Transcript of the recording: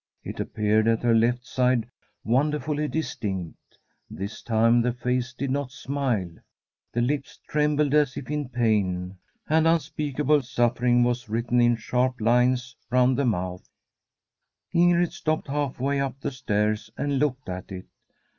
It appeared at her left side wonderfully distinct. This time the face did not smile. The lips trembled as if in pain, and un speakable suffering was written in sharp lines round the mouth. IB7] From a SWEDISH HOMESTEAD Ingrid stopped half way up the stairs and looked at it.